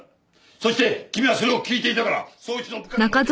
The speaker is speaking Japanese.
そして君はそれを聞いていたから捜一の部下にも徹底した。